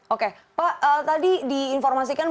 oke pak tadi diinformasikan